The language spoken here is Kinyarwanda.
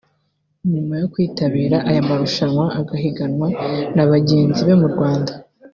nyuma yo kwitabira aya marushanwa agahiganwa na bagenzi be mu Rwanda